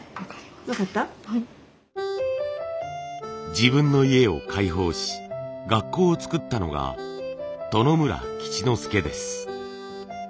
自分の家を開放し学校を作ったのが外村吉之介です。